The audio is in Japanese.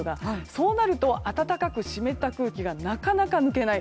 そうなると、暖かく湿った空気がなかなか抜けない。